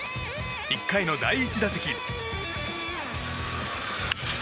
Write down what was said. １回の第１打席。